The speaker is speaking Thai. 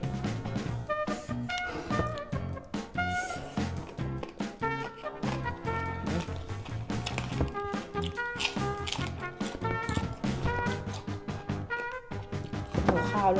หมูข้าวด้วยหน่อย